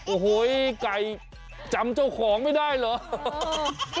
โอ้โหไก่จำเจ้าของไม่ได้เหรอ